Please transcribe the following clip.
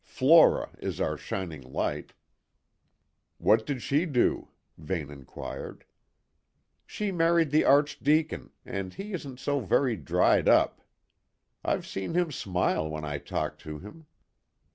Flora is our shining light." "What did she do?" Vane inquired. "She married the Archdeacon, and he isn't so very dried up. I've seen him smile when I talked to him."